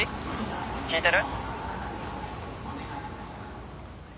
聞いてる？